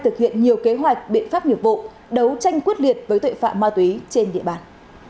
thực hiện nhiều kế hoạch biện pháp nghiệp vụ đấu tranh quyết liệt với tội phạm ma túy trên địa bàn